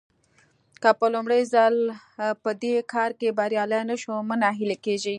که په لومړي ځل په دې کار کې بريالي نه شوئ مه ناهيلي کېږئ.